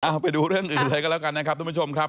เอาไปดูเรื่องอื่นเลยก็แล้วกันนะครับทุกผู้ชมครับ